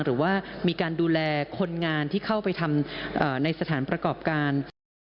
หรือว่ามีการดูแลคนงานที่เข้าไปทำในสถานประกอบการ